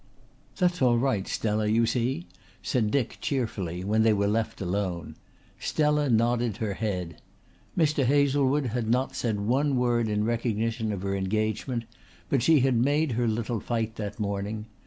"That's all right, Stella, you see," said Dick cheerfully when they were left alone. Stella nodded her head. Mr. Hazlewood had not said one word in recognition of her engagement but she had made her little fight that morning.